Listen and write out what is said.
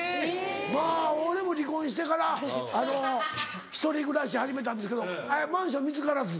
まぁ俺も離婚してから１人暮らし始めたんですけどマンション見つからず。